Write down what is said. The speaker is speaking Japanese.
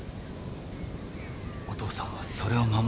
お父さんはそれを守ろうと。